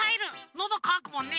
のどかわくもんね。